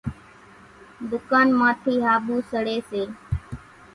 ۮُڪانَ مان ٿِي ۿاٻُو سڙيَ سي۔